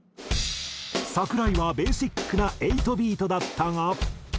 櫻井はベーシックな８ビートだったが。